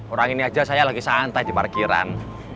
orang ini aja saya lagi santai di parkiran